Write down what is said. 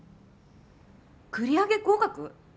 繰り上げ合格